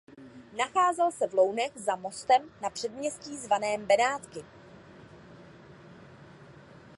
Nacházel se v Lounech za mostem na předměstí zvaném Benátky.